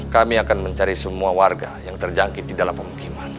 kami akan mencari semua warga yang terjangkit di dalam pemukiman